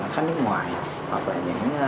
khách nước ngoài hoặc là những